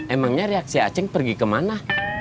emangnya reaksi aceh pergi kemana